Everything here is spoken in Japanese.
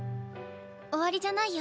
終わりじゃないよ。